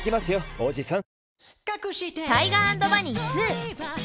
おじさん。